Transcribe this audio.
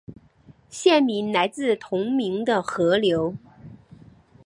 县名来自同名的河流。